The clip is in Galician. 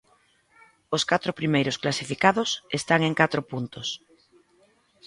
Os catro primeiros clasificados están en catro puntos.